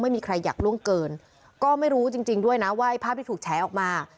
ไม่มีใครอยากล่วงเกินก็ไม่รู้จริงจริงด้วยนะว่าภาพที่ถูกแฉออกมา